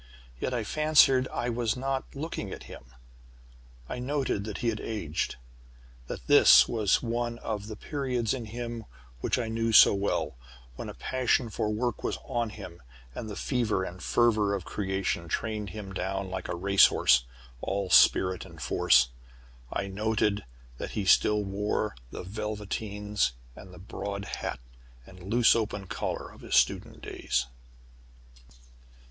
Yet I fancied I was not looking at him. I noted that he had aged that this was one of the periods in him which I knew so well when a passion for work was on him, and the fever and fervor of creation trained him down like a race horse, all spirit and force. I noted that he still wore the velveteens and the broad hat and loose open collar of his student days.